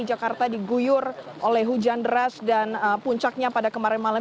jakarta diguyur oleh hujan deras dan puncaknya pada kemarin malam